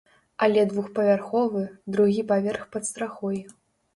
Але двухпавярховы, другі паверх пад страхой.